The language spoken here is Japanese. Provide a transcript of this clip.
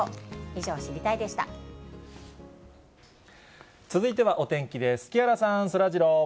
以上、続いてはお天気です。